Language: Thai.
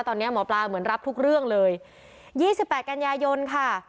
ตอนนี้หมอปลาเหมือนรับทุกเรื่องเลยยี่สิบแปดกันยายนค่ะ